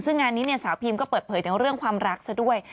ซึ่งงานนี้เนี่ยสาวพิมก็เปิดเผยถึงเรื่องความรักซะด้วย